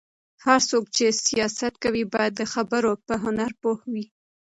هر څوک چې سياست کوي، باید د خبرو په هنر پوه وي.